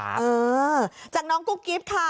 เออจากน้องกุ๊กกิ๊บค่ะ